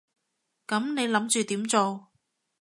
噉你諗住點做？